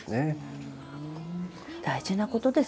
大事なことです